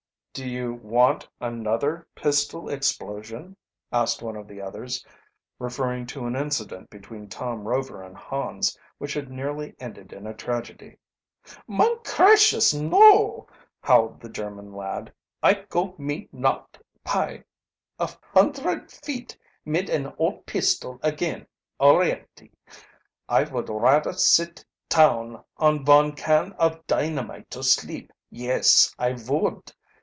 "Do you want another pistol explosion?" asked one of the others, referring to an incident between Tom Rover and Hans which had nearly ended in a tragedy. "Mine cracious, no!" howled the German lad. "I go me not py a hundred feet mid an old pistol again alrietty! I vould radder sit town on von can of dynamite to sleep, yes I vould!"